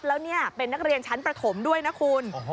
แล้วนี่เป็นนักเรียนชั้นประถมด้วยนะคุณ